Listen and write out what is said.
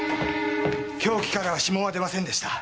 凶器からは指紋は出ませんでした。